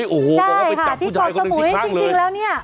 โอ้โหบอกว่าไปจับผู้ชายคนนี้ทีครั้งเลยได้ค่ะที่ก่อสมุยจริงแล้วเนี่ย